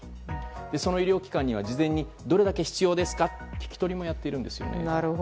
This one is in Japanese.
その医療機関には事前にどれだけ必要か聞き取りも行っているんですね。